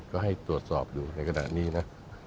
ก็ให้ตรวจสอบดูในกระดะนี้นะ